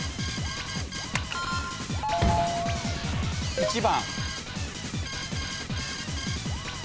１番。